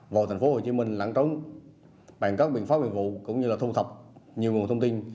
vào tp hcm lãng trống bằng các biện pháp hiệp vụ cũng như thu thập nhiều nguồn thông tin